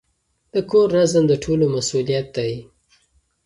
د کور نظم د ټولو مسئولیت دی.